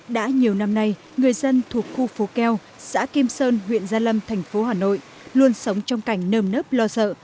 đã nhiều năm nay người dân thuộc khu phố keo xã kim sơn huyện gia lâm thành phố hà nội luôn sống trong cảnh nơm nớp lo sợ